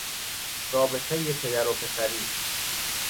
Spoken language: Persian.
رابطهی پدر و پسری